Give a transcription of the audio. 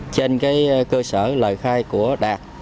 trên cái cơ sở lời khai của đạt